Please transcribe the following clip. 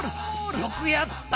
よくやった！